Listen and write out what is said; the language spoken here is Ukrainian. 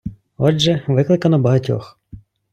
Отже, викликано багатьох.